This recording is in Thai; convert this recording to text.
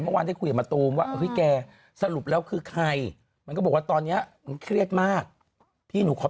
เมื่อวานที่เรารับคุยว่ามะตูมว่า